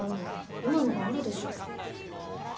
今のがあるでしょ？